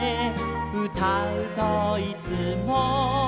「うたうといつも」